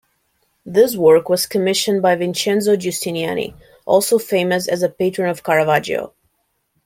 This work was commissioned by Vincenzo Giustiniani, also famous as a patron of Caravaggio.